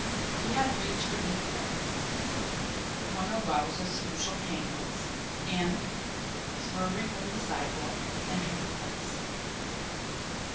He had reached the Blue Dragon, one of Wowzer's usual hang outs, and, swerving from the sidewalk, entered the place.